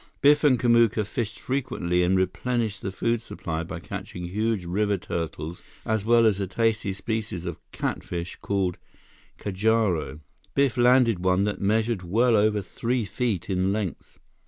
Biff and Kamuka fished frequently and replenished the food supply by catching huge river turtles as well as a tasty species of catfish called cajaro. Biff landed one that measured well over three feet in length.